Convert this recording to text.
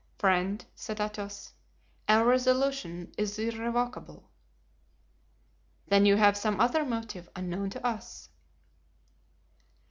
"Friend," said Athos, "our resolution is irrevocable." "Then you have some other motive unknown to us?"